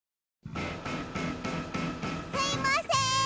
すいません！